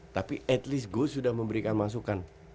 tapi at least gua sudah memberikan masukan